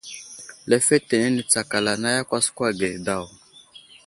Lefetenene tsakala anay a kwaskwa ge daw.